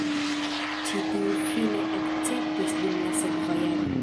Ĉi tiu fine akceptis dum la sekva jaro.